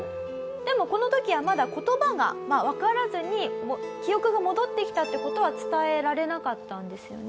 でもこの時はまだ言葉がわからずに記憶が戻ってきたっていう事は伝えられなかったんですよね？